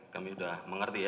kami sudah mengerti ya